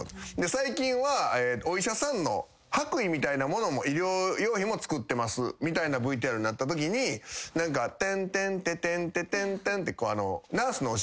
最近はお医者さんの白衣みたいなものも医療用品も作ってますみたいなＶＴＲになったときに「テンテンテテン」ってこう。